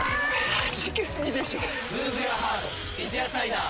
はじけすぎでしょ『三ツ矢サイダー』